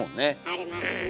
ありますね。